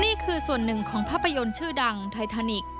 นี่คือส่วนหนึ่งของภาพยนตร์ชื่อดังไททานิกส์